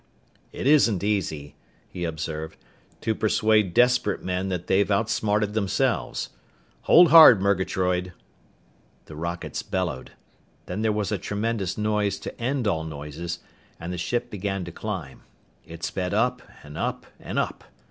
"It isn't easy," he observed, "to persuade desperate men that they've outsmarted themselves! Hold hard, Murgatroyd!" The rockets bellowed. Then there was a tremendous noise to end all noises, and the ship began to climb. It sped up and up and up.